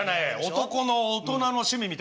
男の大人の趣味みたいな。